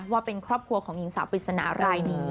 ว่าเป็นครอบครัวของหญิงสาวปริศนารายนี้